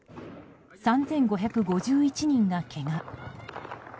３５５１人が、けが。